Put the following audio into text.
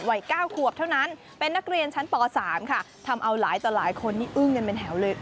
วัย๙ขวบเท่านั้นเป็นนักเรียนชั้นป๓ค่ะทำเอาหลายต่อหลายคนนี่อึ้งกันเป็นแถวเลย